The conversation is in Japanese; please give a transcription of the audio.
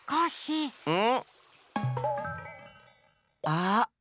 ああ！